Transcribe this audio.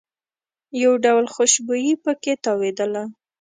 یو ډول خوشبويي په کې تاوېدله.